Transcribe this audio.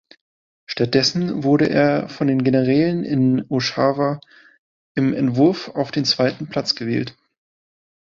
Stattdessen wurde er von den Generälen in Oshawa im Entwurf auf den zweiten Platz gewählt.